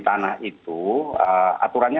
tanah itu aturannya